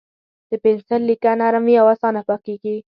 د پنسل لیکه نرم وي او اسانه پاکېږي.